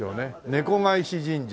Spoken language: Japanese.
「猫返し神社」